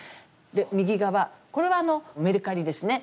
右側、これはメルカリですね。